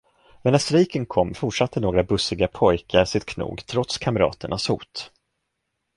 Men när strejken kom, fortsatte några bussiga pojkar sitt knog trots kamraternas hot.